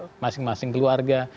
ataupun dengan masing masing keluarga